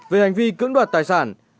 về hành vi cưỡng đoạt tài sản